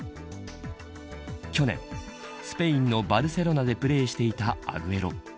去年、スペインのバルセロナでプレーしていたアグエロ。